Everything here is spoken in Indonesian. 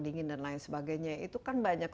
dingin dan lain sebagainya itu kan banyak